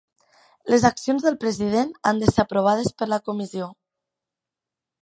Les accions del president han de ser aprovades per la Comissió.